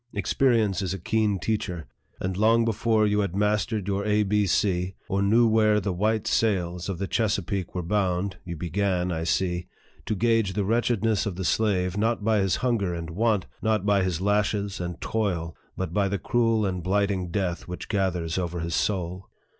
Experience is a keen teacher ; and long before you had mastered your A B C, or knew where the " white sails " of the Chesapeake were bound, you began, I see, to gauge the wretchedness of the slave, not by his hunger and want, not by his lashes and toil, but by the cruel and blighting death which gathers over his soul.